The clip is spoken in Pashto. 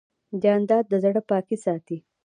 جانداد د زړه پاکي ساتي.